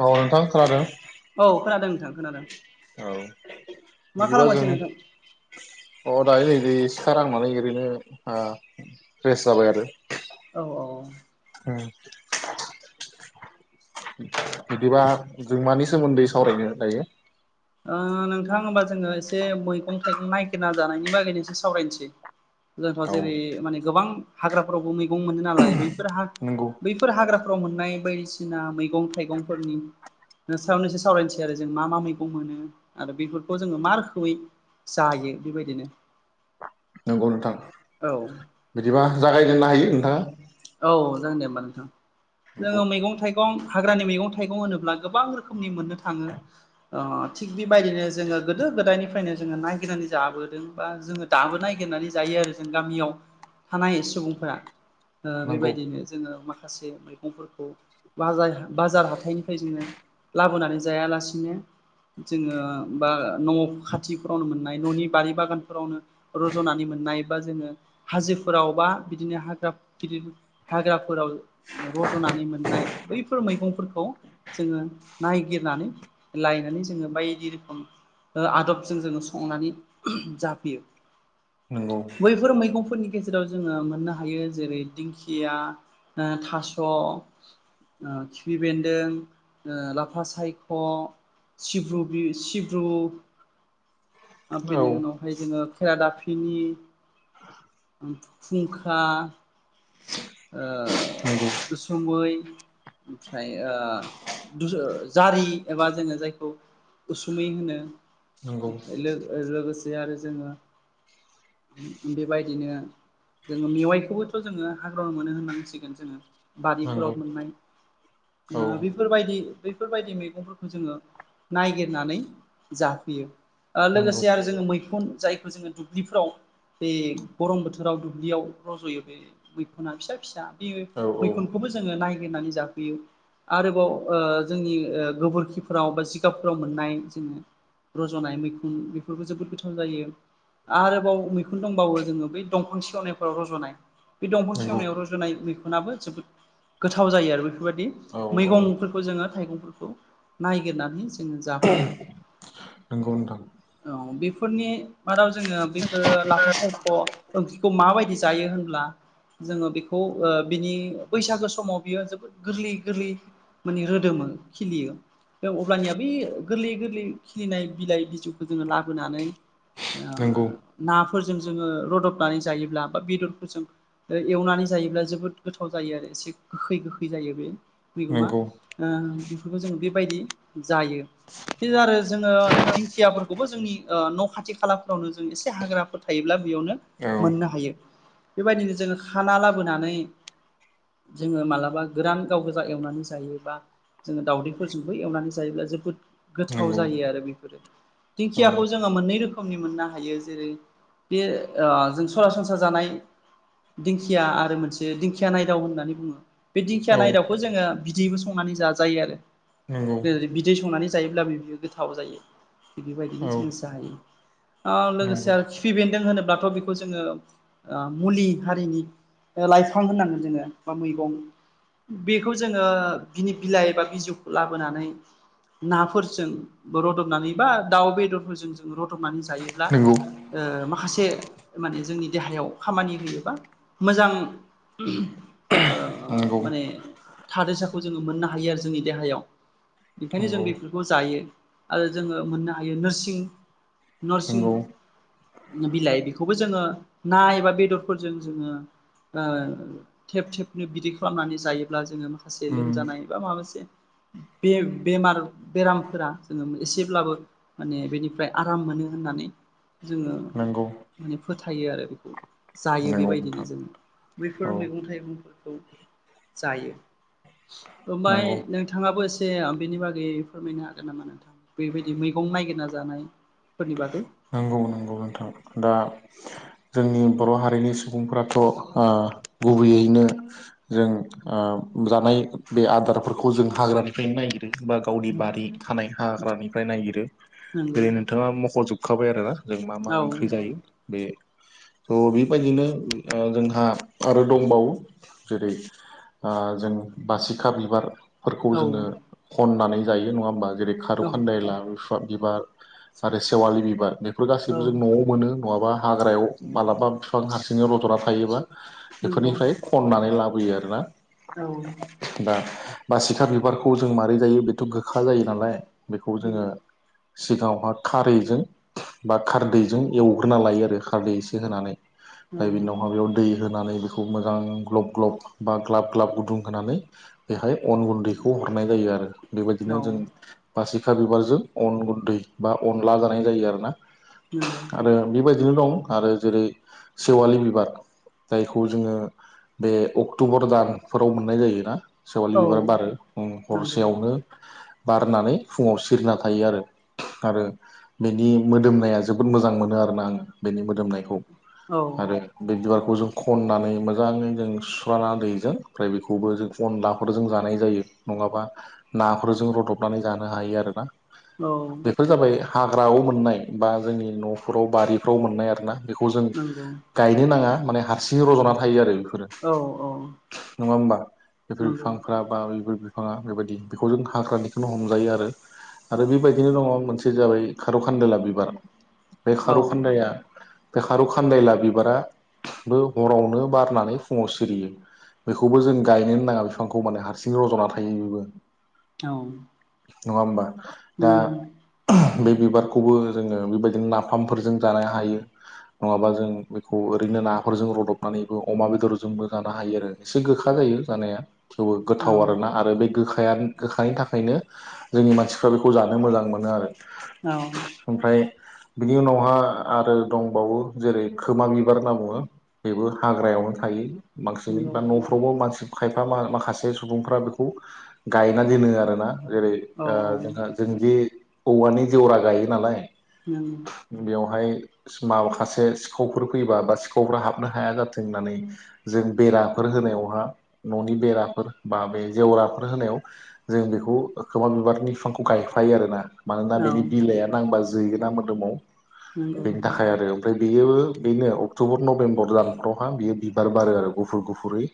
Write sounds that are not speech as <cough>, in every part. औ नोंथां खोनादों? औ खोनादों नोंथां खोनादों। औ मा बिदिबा जों खालामगासिनो नोंथां अ दायो नैबे सिखा रांनानै ओरैनो ओ फ्रेस जाबाय आरो औ औ उम बिदिबा जों मानि सोमोन्दै सावरायनो दायो? ओ नोंथां होनबा जोङो एसे मैगं थाइगं नायगिरना जानायनि बागैनो ससे सावरायनोसै जोंथ' औ जेरै माने गोबां हाग्राफोरावबो मैगं मोनो नालाय बैफोर नंगौ <unintelligible> फोर हाग्राफ्राव मोननाय बायदिसिना मैगं थाइगंफोरनि <unintelligible> सावरायनोसै आरो जों मा मा मै खौ मोनो आरो बेफोरखौ जोङो मा रोखोमै जायो बेबायदिनो नंगौ नोंथां औ बिदिबा जागायजेननो हायो नोंथाङा औ जागोन दे होमबा नोंथां जोङो मैगं था गं हाग्रानि मैगं थाइगं होनोब्ला गोबां रोखोमनि मोननो थाङो। ओ थिग बेबायदिनो जोङो गोदो गोदायनिफ्रायनो जोङो नायगिरनानै जाबोदों बा जोङो दाबो नागिरनानै जायो आरो जों गामियाव थानाय सुबुंफोरा ओ नंगौ बेबायदिनो जोङो माखासे मैगंफोरखौ बा जाय बाजार हाथाइनिफ्राय जोङो लाबोनानै जायालासिनो जोङो बा न' खाथिफोरावनो मोननाय न'नि बारि बागानफोरावनो रज'नानै मोननाय बा जोङो हाजोफोराव बा बिदिनो हाग्रा गिदिर हाग्राफोराव रज'नानै मोननाय बैफोर मैगंफोरखौ जोङो नायगिरनानै लायनानै जोङो बायदि रोखोम ओ आदबजों जोङो संनानै जाफैयो। नंगौ बैफोर मैगंफोरनि गेजेराव जोङो मोननो हायो जेरै दिंखिया ओ थास' ओ खिफि बेन्दों ओ लाफा सायख' सिब्रु बि सिब्रु आब नंगौ औ बेनि उनाव फाय जोङो खेरादाफिनि खुंखा नंगौ ओउसुमै ओमफ्राय ओ जारि एबा जोङो जायखौ उसुमै होनो नंगौ लोगोसे जे आरो जोङो बेबायदिनो जोङो मेवाइखौबोथ' जोङो हाग्रा मोनो होननांसिगोन जोङो नंगौ बारिफोराव मोननाय औ बेफोरबायदि बेफोरबायदि मैगंफोरखौ जोङो ननायागिरनानै जाफैयो। ओ नंगौ लोगोसे आरो जोङो मैखुन जायखौ जोङो दुब्लिफोराव बे गरम बोथोर <unintelligible> दुब्लियाव रज'यो बे मैखुना फिसा फिसा बे औ औ मैखुनखौबो जों जोङो नायगिरनानै जाफैयो आरोबाव ओ जोंनि गोबोरखिफोराव बा जिगाबफोराव मोननाय जोङो रज'नाय मैखुन बेफोरबो जोबोद गोथाव जायो। आरोबाव मैखुन दंबावो जोङो बै दंफां सेवनायफोराव रज'नाय। बे दंफां नंगौ सेवनायाव रज'नाय मैखनाबो जोबोद गोथाव जायो आरो बेफोरबायदि, औ औ मैगंफोरखौ जोङो थाइगं नायगिरनानै जोङो जाफैयो। नंगौ नोंथां औ बेफोरनि माराव जोङो बेफोरो लाफा सायख' ओंख्रिखौ माबायदि जायो होनब्ला? जोङो बेखौ बिनि बैसागो समाव बियो जोबोद गोरलै गोरलै माने रोदोमोन खिलियो। अब्लानिया बे गोरलै गोरलै खिलिनाय बिलाइ बिजौ जोङो लाबोनानै ओ नंगौ नाफोरजों जोङो रदबनानै जायोब्ला बा बेदर फोरजों एवनानै जायोब्ला जोबोद गोथाव जायो आरो, एसे गोखै गोखै जायो बे मैगंङा नंगौ बेफोरखौ जोङो बेबायदि जायो‌। <unintelligible> आरो जोङो दिंखियाफोरखौबो जोंनि ओ न' खाथि खालाफोरावनो जों इसे हाग्राफोर थायोब्ला बेयावनो औ मोननो हायो। बेबायदिनो जोङो खाना लाबोनानै जोङो मालाबा गोरान गाव गोजा एवनानै जायोबा जोङो दावदैफोरजोंबो एवनानै जायोब्ला जोबोद गोथाव नंगौ जायो आरो बिफोरो। औ दिंखियाखौ जोङो मोननै रोखोमनि मोननो हायो। जेरै बे ओ जों सरासनस्रा जानाय दिंखिया आरो मोनसे दिंखिया नायदाव होननानै बुङो। बे दिंखिया औ नायदावखौ जोङो बिदैबो संनानै जाजायो आरो। नंगौ जेरै बिदै संनानै जायोब्लाबो बि गोथाव जायो। थिग बेबायदिनो औ जों जायो ओ लोगोसे नंगौ आरो फि बेन्दों होनोब्लाथ' बिखौ जोङो ओ मुलि हारिनि ओ लाइफां होननांगोन जोङो बा मैगं। बेखौ जोङो बिनि बिलाइ एबा बिजौखौ लाबोनानै नाफोरजों रदबनानै बा दाउ बेदरफोरजों जों रदबनानै जायोब्ला नंगौ ओ माखासे माने जोंनि देहायाव खामानि होयो। मोजां ओ नंगौ माने थादोसाखौ जोङो मोननो हायो आरो जोंनि देहायाव, बिखायनो जों नंगौ बिफोरखौ जायो। आरो जोङो मोननो हायो नोरसिं नरसिं नंगौ बिलाइ बिखौबो जोङो ना एबा बेदर फोरजों जोङो ओ थेब थेबनो बिदि खालामनानै जायोब्ला जोङो से उम लोमजानाय बा माबासे बे बेमार बेरामफोरा जोङो एसेब्लाबो माने बेनिफ्राय आराम मोनो होननानै जोङो नंगौ माने फोथायो आरो बेखौ जायो नंगौ बेबायदिनो नोंथां जोङो। बेैफोर औ मैगं थाइगंफोरखौ जायो, ओमाय नंगौ नोंथां थाङाबो एसे बेनि बागै फोरमायनो हागोन नामा नोंथां? बेबायदि मैगं नायगिरना जानाय। फोरनि बागै नंगौ नंगौ नोंथां, दा जोंनि बर' हारिनि सुबुंफोराथ' गुबैयैनो जों जानाय बे आदारफोरखौ जों हाग्रानिफ्रायनो नागिरो बा गावनि बारि थानाय हाग्रानिफ्राय नायगिरो नंगौ जेरै नोंथाङा मख'जोबखाबाय आरो ना। जों मा मा औ ओंख्रि जायो बे त' बेबायदिनो ओ जोंहा आरो दंबावो जेरै ओ जों बासिखा बिबार फोरखौ औ जोङो खननानै जायो नङा ओमबा? जेरै खारौ औ खानदाय लाबो फाब बिबार आरो सेवालि बिबार बेफोर औ गासैबो जों न'आव मोनो, नआबा हाग्रायाव मालाबा फिफां हारसिङाव लज'ना थायोबा, नंगौ बेफोरनिफ्राय खननानै लाबोयो आरोना‌। औ। दा बासिखा बिबारखौ जों मारै जायो बेथ' गोखा जायो नालाय। बेखौ जोङो सिगाङावहा खारैजों बा खारदैजों एवग्रोना लायो आरो खारदै इसे होनानै हाय बेनि उनावहा बियाव दै होनानै बिखौ मोजां ग्लब ग्लब बा ग्लाब ग्लाब गुदुं होनानै बेहाय अन गुन्दैखौ हरनाय जायो आरो बेबायदिनो औ जों बासिखा बिबारजों अन गुन्दै बा अनला जानाय जायो आरोना नंगौ आरो बेबायदिनो दं आरो जेरै सेवालि बिबार जायखौ जोङो बे अक्ट'बर दानफोराव मोननाय जायोना। सेवालि औ बिबार बारो उम नंगौ हरसेयावनो बारनानै फुङाव सिरिना थायो आरो आरो बेनि मोदोमनाया जोबोद मोजां मोनो आरोना आङो बेनि मोदोमनायखौ औ आरो बे बिबारखौ जों खननानै मोजाङै जों सुस्राना दैजों ओमफ्राय बेखौबो जों अनलाफोरजों जानाय जायो नङाबा नाफोरजों रदबनानै जानो हायो आरोना। औ बेफोर जाबाय हाग्रायाव मोननाय बा जोंनि न'फोराव बारिफ्राव मोननाय आरोना। बेखौ जों नंगौ गायनो नाङा माने हारसिंयै रज'ना थायो आरो बेफोरो। औ औ नङा होमबा बेफोर नंगौ बिफांफ्रा बा बिफोर बिफाङा बेबायदि बेखौ जों हाग्रानिखौनो हमजायो आरो बेबायदिनो दङ मोनसे जाबाय खारौखान्दोला बिबार बे औ खार'खान्दाया बे खारौ खानदायला बिबाराबो हरावनो बारनानै फुङाव सिरियो। बेखौबो जों गायनोनो नाङा बिफांखौ माने हारसिं रज'ना थायो बेबो। औ नङा होबा दा नंगौ बे बिबारखौबो जोङो बेबायदिनो नाफामफोरजों जानो हायो। नङाबा जों बेखौ ओरैनो नाफोरजों रदबनानैबो अमा बेदरजोंबो जानो हायो आरो। एसे गोखा जायो जानाया थेवबो औ नंगौ औ गोथाव आरोना आरो बे गोखा फ्रायानो गोखानि थाखायनो जोंनि मानसिफ्रा बेखौ जानो मोजां मोनो आरो। औ ओमफ्राय बिनि उनावहा आरो दंबावो जेरै खोमा बिबार होनना बुङो। बेबो हाग्रायावनो थायो माखासिनै नंगौ औ नंगौ बा न' थवबो मानसि खायफा मा-माखासे सुबुंफ्रा बेखौ गायना दोनो आरोना जेरै ओ औ औ जोंहा जों जि औवानि जेवरा गायो नालाय ओं बेवहाय माखासे सिखावफोर फैयोबा बा सिखावफोरा हाबनो हाया जाथों होननानै जों बेराफोर होनायावहा न'नि बेराफोर बा बे जेवराफोर होनायाव जों बेखौ खोमा बिबारनि बिफांखौ गायफायो आरोना। मानोना बेनि बिलाइआ नांबा जोगोना मोदोमाव बेनि थाखाय आरो ओमफ्राय बेयोबो बेनो अक्ट'बर नभेम्बर दानफोरावहा बियो बिबार बारो आरो गुफुर गुफुरै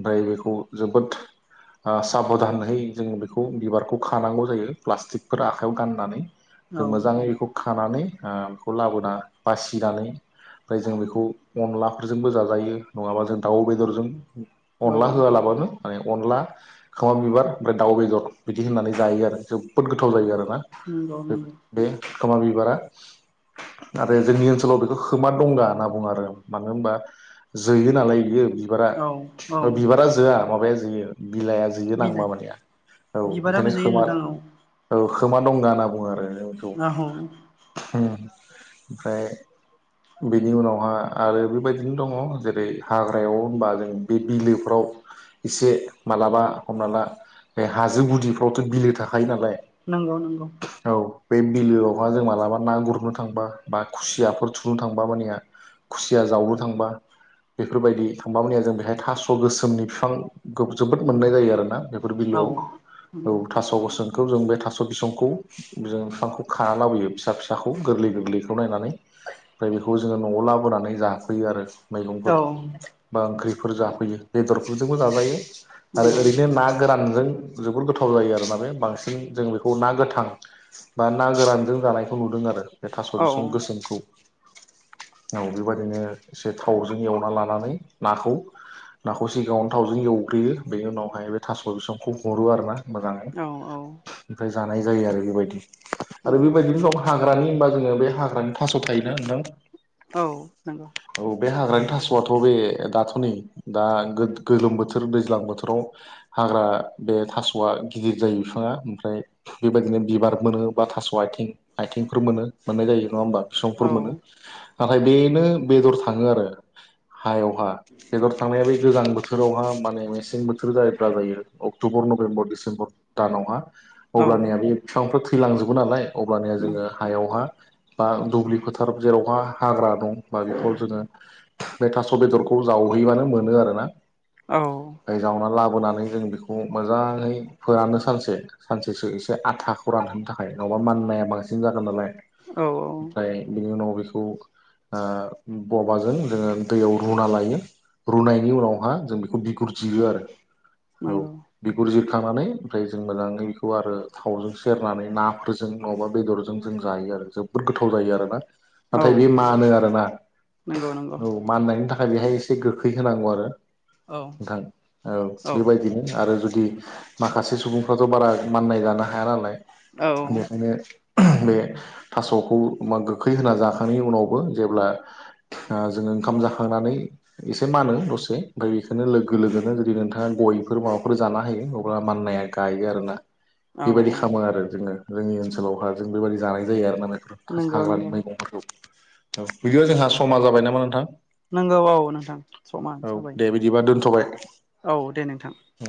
ओमफ्राय बेखौ जोबोद ओ साबधानहै जों बेखौ बिबारखौ खानांगौ जायो। प्लास्टिकफोर आखाइायाव गाननानै जों मोजाङै बेखौ खानानै ओ बेखौ लाबोना बासिनानै ओमफ्राय जों बेखौ अनलाफोरजोंबो जाजायो नङाबा जों दाउ बेदरजों अनला होआलाबानो माने अनला खोमा बिबार ओमफ्राय दाउ बेदर बिदि होननानै जायो आरो जोबोद गोथाव जायो आरो। नंगौ नंगौ बे खोमा बिबारा आरो जोंनि ओनसोलाव बेखौ खोमा दंगा होनना बुङो आरो मानो होनबा जोयो नालाय बियो बिबारा औ औ बिबारा जोआ माबाया जोयो बिलाइआ जो यो नांबा बिलाइ मानेया औ बिबाराबो बेखायनो जोयो खोमा नोंथां औ औ खोमा दंगा होनना बुङो आरो जों औ बेखौ ओम ओमफ्राय बेनि उनावहा आरो बेबायदिनो दङ जेरै हाग्रायाव होनबा जों बे बिलोफ्राव एसे माब्लाबा हमना ला बे हाजो गुदिफ्रावथ' बिलो थाखायो नालाय। नंगौ नंगौ औ बे बिलोआवहा जों मालाबा ना गुरनो थांबा बा खुसियाफोर थुनो थांबा मानेया खुसिया जावनो थांबा। बेफोरबायदि थांबा मोनिया जों बेहाय थास' गोसोमनि फिफां गोब जोबोद मोननाय जायो आरोना। बेफोर औ बिलोआव औ नंगौ थास' गोसोमथ' जों बे था स' बिसंखौ जों बिफांखौ खा लाबोयो फिसा फिसाखौ गोरलै गोरलैखौ नायनानै। ओमफ्राय बेखौ जोङो न'आव लाबोनानै जाफैयो आरो। औ मैगंफोरखौ बा ओंख्रिफोर जाफैयो बेदरफोरजोंबो जाजायो आरो नंगौ ओरैनो ना गोरानजों जोबोर गोथाव जायो आरोना बे बांसिन जों बे खौ ना गोथां बा ना गोरानजों जानायखौ नुदों आरो। बे थास' औ बिसं गोसोमखौ औ बेबायदिनो एसे थावजों एवना लानानै नाखौ नाखौ सिगाङावनो थावजों एवग्रोयो बेनि उनावहाय बे थास' बिसंखौ हरो आरोना मोजाङै औ औ ओमफ्राय जानाय जायो आरो बेबायदि आरो नंगौ बेबायदिनो गाव हा हाग्रानि होनबा जोङो बे हाग्रानि थास' थायोना नोंथां औ नंगौ औ बे हाग्रानि थास'आथ' बे दाथ' नै दा गोद-गोलोम बोथोर दैज्लां बोथोराव हाग्रा बे थास'आ गिदिर जायो बिफाङा ओमफ्राय बेबायदिनो बिबार मोनो बा थास' आथिं आथिंफोर मोनो मोननाय जायो नङा होमबा बिसंफोर औ मोनो औ नाथाय बेनो बेदर थाङो आरो हायावहा बेदर थांनाया बे गोजां बोथो थोरावहा माने मेसें बोथोर जायोब्ला जायो अक्ट'बर नभेम्बर डिसेम्बर दानावहा अब्लानिया बे बिफांफ्रा थैलांजोबो नालाय अब्लानिया जोङो हायावहा बा दुब्लि फोथार जेरावहा हाग्रा दं बा बेफोराव जोङो बे थास' बेदरखौ जावहैबानो मोनो आरोना। औ फाय जावना लाबोनानै जों बेखौ मोजाङै फोरानो सानसे। सानसेसो एसे आथाखौ रानहोनो थाखाय नङाबा माननाया बांसिन जागोन नालाय औ औ ओमफ्राय बिनि उनाव बिखौ ओ बबा जों जोङो दैयाव रुना लायो। रुनायनि उनावहा जों बेखौ बिगुर जिरो आरो औ नंगौ बिगुर जिरखांनानै ओमफ्राय जों मोजाङै खौ आरो थावजों सेरनानै नाफोरजों नङाबा बेदरजों जों जायो आरो जोबोद गोथाव जायो आरो ना नाथाय बे औ मानो आरोना नंगौ नंगौ औ माननायनि थाखाय बेहाय एसे गोखै होनांगौ आरो औ नोंथां औ बेबायदिनो आरो जुदि माखासे सुबुंफ्राथ' बारा माननाय जानो हाया नालाय औ बेखायनो बे थास'खौ मा गोखै होना जाखांनायनि उनावबो जेब्ला ओ जोङो ओंखाम जाखांनानै एसे मानो दसे ओमफ्राय बेखौनो लोगो लोगोनो जुदि नोंथाङा गयफोर माबाफोर जाना होयो अब्ला माननाया गायो आरो ना औ बेबायदि औ खालामो आरो जोङो जोंनि ओनसोलावहा जों बेबायदि जानाय जायो आरोना बेफोर थास नंगौ हाग्रानि नंगौ मैगंफोरखौ बिदिबा जोंहा समा जाबाय नामा नोंथां? नंगौ औ नोंथां समा औ जाबाय। दे बिदिबा दोनथ'बाय औ दे नोंथां। ओम